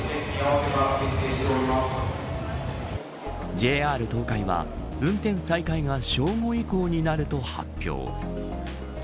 ＪＲ東海は運転再開が正午以降になると発表。